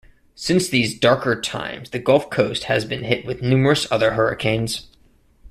Since these darker times the Gulf Coast has been hit with numerous other hurricanes.